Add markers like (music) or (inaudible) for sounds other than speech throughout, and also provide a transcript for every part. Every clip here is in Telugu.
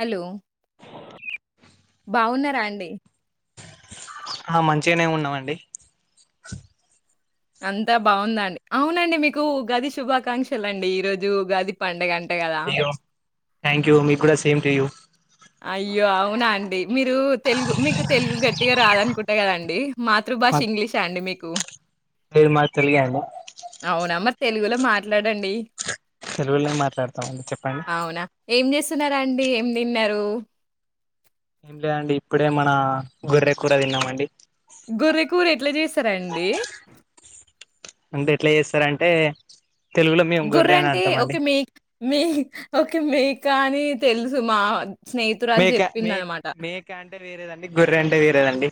హలో బావున్నారా అండి ఆ మంచిగానే ఉన్నామండి అంతా బాగుందండి, అవునండి మీకు ఉగాది శుభాకాంక్షలండి, ఈరోజు ఉగాది పండుగ అం థ్యాంక్ యూ మి కూడా సేమ్ టు యూ అయ్యో అవునా అండి మీరు తెలుగు మీకు తెలుగు గట్టిగా రాదనుకుంటా కదండి మాతృభాష ఇంగ్లీష్షా అండి మీకు ఓ లేదు మాది తెలుగే అండి అవునా? మరి తెలుగులో మాట్లాడండి తెలుగులోనే మాట్లాడతామండి చెప్పండి చేస్తున్నారాండి ఏం తిన్నారు ఏం లేదండి ఇప్పుడే మన గొర్రె కూర తిన్నామండి గొర్రెకూర ఎట్లా చేస్తారండి అంటే ఎట్లా చేస్తారంటే తెలుగులో మేము గోరే గొర్రె అని అంటే అంటామండి ఓకే మేక్ మేక్ ఓక మేక్ కానీ తెలుసు మా స్నేహితురాలు మేక మే జెప్పిందనమాట. మేక అంటే వేరేదండి గొర్ర అంటే వేరేదండి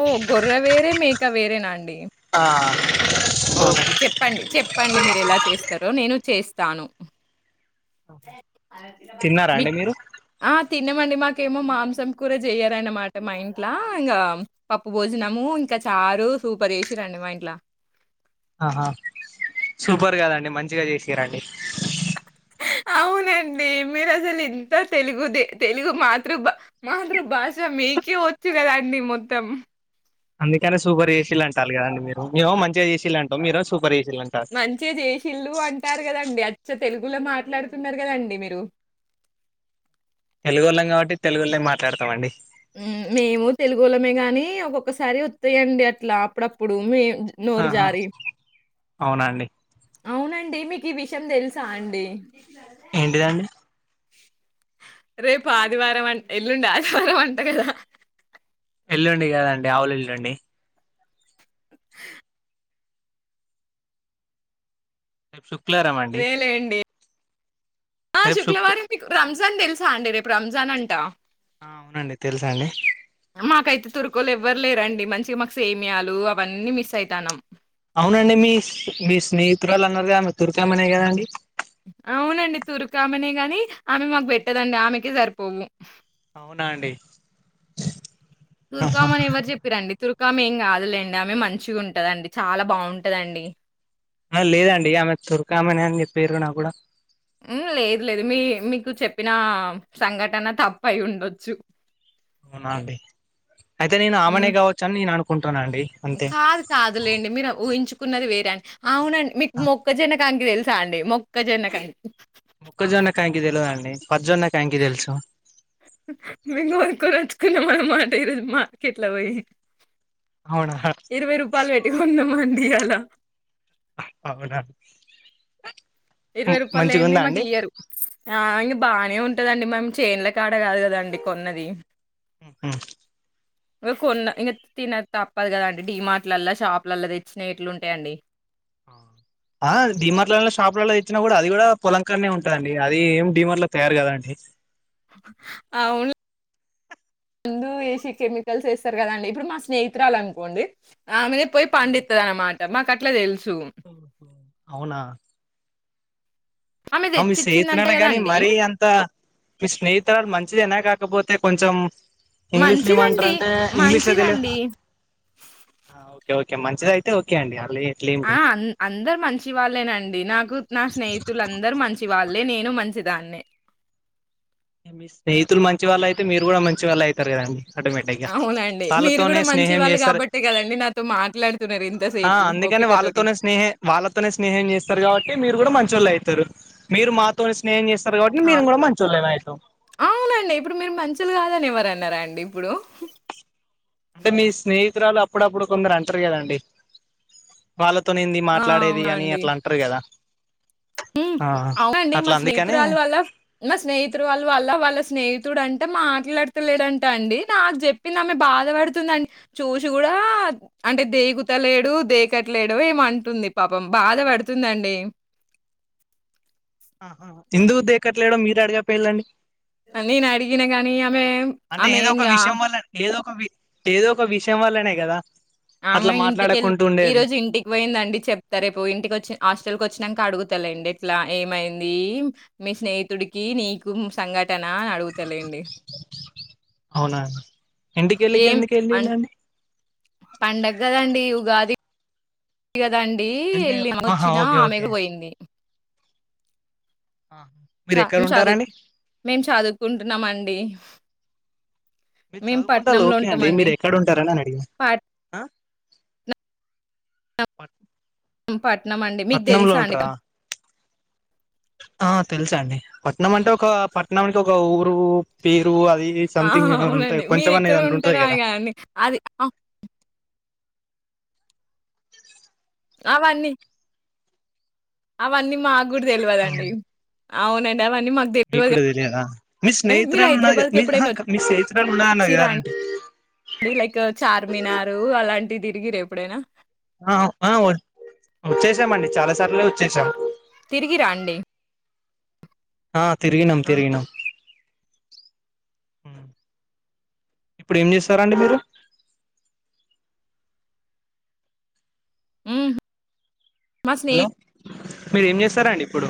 ఓహ్! గొర్రె వేరే, మేక వేరేనా అండి? ఆ ఓకే అవునండి. చెప్పండి చెప్పండి మీరు ఎలా చేస్తారో నేను చేస్ తాను తిన్నారా మి అండి మీరు ఆ తిన్న మండి మా నాకేమో మాంసం కూర చేయారన్నమాట మా ఇంట్లా, ఇంకా పప్పు భోజనము ఇంకా చారు సూపర్ చెసి రండి మా ఇంట్ల ఆహా సూపర్ కదండి మంచిగా చేసిరండి అవునండి, మీరు అసలు ఇంత తెలుగుదే తెలుగు మాతృభా మాతృభాష మీకే వచ్చు కదా అండి మొత్తం అందుకనే సూపర్ ఏసీలు అంటాలి కదండి మీరు, మే మంచిగా ఏసీలుంటం మీరు సూపర్ ఏస మంచి చేసిల్లు అంటారు కదండి అచ్చ్య తెలుగులో మాట్లాడుతున్నారు కదండి మీరు తెలుగుళ్ళం కాబట్టి తెలుగు లే మాట్లాడతాం అండి మేము తెలుగులమే గాని ఒక్కొక్కసారి వత్తయండి అట్లా అప్పుడప్పుడు మే ఆహా అవునాండి అవునండి మీకు ఈ విషయం తెలుసా అండి ఏంటిదండి రేపు ఆదివారం అంట్ ఎల్లుండి ఆదివారం అంట కదా ఎల్లుండి గాదండి ఆవుల ఎల్లుండి ఏక్ సౌ దేలేండి ఆ రేపు శుక్ శుక్లవారం మీకు రంజాన్ తెల్స్ సా అండి రేపు రంజాన్ అంటా ఆ అవునండి తెలుసా అండి వ్వరు లేరండి మంచిగా మాకు సేమియాలు అవన్నీ మిస్ ఐతాన్నాం అవునండి మీ మీ స్నేహితురాలు అన్నారు కదా తుర్కామెనే కదాండి అవునండి తురుకామెనే గాని ఆమె మాకు పెట్టదండి ఆమెకే సరిపోవు అవునా అండి ఆహా తుర్కామని ఎవరు చెప్పిరండి తుర్ కామేం కాదులేండి ఆమె మంచిగుంటదండి చాలా బాగుంటదండి ఆ లేదండి ఆమె తురకామనే అని చెప్పిర్రు నాక్కూడా ఉమ్ లేదు లేదు మీ మీకు చెప్పినా సంఘటన తప్పు అయ్యుండొచ్చు అవునాండి అయితే నేను హ్మ్. ఆమెనే కావచ్చు అని నేను అను కాదు కాదులేండి మీర ఊహించు కున్నది వేరన్ అవునండి మీక్ మొక్కజొన్న కంకి తెల్ సా అండి మొక్కజొన్న కం మొక్కజొన్న కంకి తెలవదండి పజ్ జొన్న కంకి తెలుసు మేము కొనుకో నచ్చుకున్నాం అన్నమాట ఈరోజు మార్కెట్లో పోయి అవునా ఇరవై రూపాయలు పెట్టి కొన్నాం అండి అలా హ అవునా ఇరవై రూపాయలు లేంది మంచిగుందా మాకు ఇయ్యరు ఆ ఇంగ బాగానే ఉంటదండి మేము చేన్ల కాడ కాదు కదండి కొన్నది మ్మ్ హ్మ్ ఒ కొన్న ఇంకా తిన తప్పదు కదండి డి మార్ట్ లల్లో షాపులల్లా తెచ్చినవి ఎట్లు ఉంటాయండి. అ ఆ డీ మార్ట్ లల్లో షాపులల్లో తెచ్చినా కూడా అది కూడా పొలంకాడనే ఉంటదండి, అది ఏం డీమార్ట్ లో తయారు కాదండి. అవును (inaudible) కెమికల్స్ వేస్తారు కదండి ఇప్పుడు మా స్నేహితురాలు అనుకోండి ఆమెనే పోయి పండిత్తది అన్నమాట మాకట్ ట్ల తెల్ ఓహో అవునా ఆమె తెచ్చిచ్చిందంట సేహితురాలే గాని కదండి మరీ అంత మీ స్నేహితురాలు మంచిదేనా కాకపోతే కొంచెం ఇంగ్లీష్ లో ఏమో అంటారు మంచిదండి అంటే ఇంగ్లీష్ లో తెలు మంచిదండి ఆ ఓకే ఓకే కే మంచిది అయితే ఓకే అండి ఆ ఆ అన్ అందరు మంచి వాళ్ళేనండి నాకు నా స్నేహితులు అందరూ మంచి పళ్ళే నేను మంచిదాన్నే మీ స్నేహితులు మంచి వాళ్ళు అయితే మీరు కూడా మంచి వాళ్ళు అయితరు కదండి ఆటోమేటిక్ గా అవునండి. మీరు వాళ్ళతోనే గూడా మంచి స్నేహం వాళ్ళు జెస్తారు గాబట్టే గదండీ నాతో మాట్లాడుతున్నారు ఆ ఇంతసేపు అందుకని ఓపికతోటి. వాళ్ళతోనే స్నేహ వాళ్ళతోనే స్నేహం చేస్తారు కాబట్టి మీరు కూడా మం మంచోళ్ళు అయితరు మీరు మాతోని స్నేహం జెస్ తరు కాబట్టి మీరు కూడా మంచోళ్ళే నై ఆవునండి ఇప్పుడు మీరు మంచోలు కాదని ఎవరు అన్నారు అండి ఇప్పుడు అంటే మీ స్నేహితురాలు అప్పుడప్పుడు కొందరు అంటరు కద అండి వాలు తొని ఏంది మాట్లాడేది అని అట్లా అంటరు కదా మ్ ఆ అవునండి అట్లా మా అందుకని స్నేహితురాలు వల్ల మా స్నేహితుడు వాళ్ళ వల్ల వాళ్ళ స్నేహి డు అంట మాట్లాడతలేడంటా అండి నాకు చెప్పింది. ఆమె బాధ పడుతుందండి. చూసి కూడా అంటే దేకుతలేడు, దేకట్లేడు ఏమో అంటుంది. పాపం బాధ పడుతుందండి. ఆహా ఎందుకు దేకట్లేడో మీరే అడిగకపోఇంరా నేను అడిగిన గాని ఆమె ఆమె ఇంగా అవి ఏదో ఒక విషయం వల్లనే కదా అట్లా ఆమె ఇంటికెళ్ళి మాట్లాడకుంటూ ఈ ఉండేది రోజు ఇంటికి పోయిందండి చెప్తా రేపు ఇంటికి వచ్చి హాస్టల్ కి వచ్చినంక అడుగుతడలేండి ఇట్లా ఏమైంది మీ స్నేహితుడికి నీకు సంగట్ అవునా ఇంటికి వెళ్ళికి ఏం ఎందుకు అన్ వెళ్ళిందండి పండగ కదండి ఉగాది కదండి అంటే వెళ్ళి ఆహా వచ్చినా ఓకే ఓకే ఆమెకు పోయింది చ మీరు ఎక్కడ ఉంటారండి చదువు మేము చదువుకుంటున్నామండి మీరు మేము చదువుకుంటలు పట్నంలో ఓకే అండి ఉంటామండి. మీరు ఎక్కడ ఉంటారని అని అడిగిన పట్నం పట్నం అండి మీకు పట్నంలో తెలుసా అండి ఉంటారా ఆ తెలుసా అండి పట్నం అంటే ఒక పట్నాం కి ఒక ఊరు పేర్ ఆహ్ అవునండి మీరు అనేది ఎక్కడ ఉంటార ఉంటుంటది ఆయ కదా కండి అది అవన్నీ అవన్నీ మా కూడా తెల్వదండి అవునన్ మాకు మీకు తెలవద్ కూడా తెలియదా మీ కద మీరు స్నేహితురాలు ఉన్నది హైదరాబాద్ కి మీ ఆహా ఎప్పుడైనా మీ స్నేహితురాలు ఉన్నా అన్నది వచ్చిరా అన్ కదండి లైక్ చార్మినార్ అలాంటిది. మీరు ఎప్పుడైనా ఆహ్ ఆ వచ్చేసామండి చాలా సార్లే వచ్చేసాం తిరిగి రండి ఆ తిరిగినం తిరిగినాం ఆ ఇప్పుడు ఏం చేస్తారండి మీరు ఉమ్ మా స్నేహి హలో మీరు ఏం చేస్తారారండి ఇప్పుడు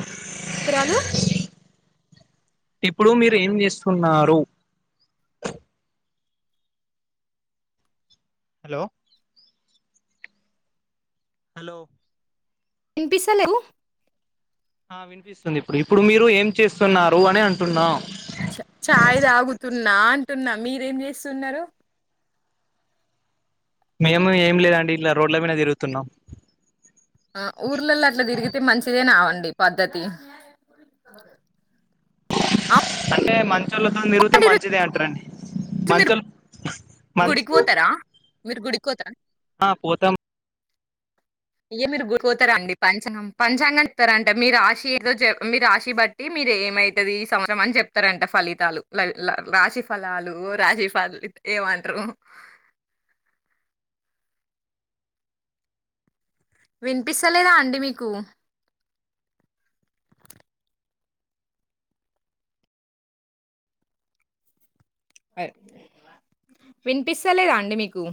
ఇరలు ఇప్పుడు మీరు ఏం చేస్తున్నారు. హలో హలో వినిపిస్తలేవు ఆ వినిపిస్తుంది ఇప్పుడు ఇప్పుడు మీరు ఏం చేస్తున్నారు అని అంటున్నా చ ఛాయ్ తాగుతున్నా అంటున్నా మీరేం చేస్తున్నారు మేము ఏం లేదండి ఇట్లా రోడ్ల మీద తిరుగుతున్నాం. ఆ ఊర్లలో అట్లా తిరిగితే మంచిదేనే అండి పద్ధతి ఆ అంటే మంచి వాళ్ళతో తిరిగితే మంచిదే అంటారండి. ఈరోజు మీరు మంచం మంచ గుడికి పోతారా మీరు గుడికి పోతారా ఆ పోతం అయ మీరు గుర్ పోతారంండి పంచాంగం పంచాంగం చెప్తారంట మీరు రాశి ఏదో మీరు రాశి బట్టి మీరు ఏమైతుది ఈ సంవత్సరం అని చెప్తారంట ఫలితాలు రాశి ఫలాలు రాశి ఫ ఎమంటారు వినిపిస్తలేదా అండి మీకు ఆ వినిపిస్తలేదా అండి మీకు